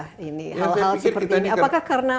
hal hal seperti ini apakah karena